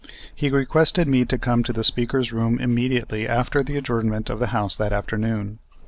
He requested me to come to the Speaker's room immediately after the adjournment of the House that afternoon.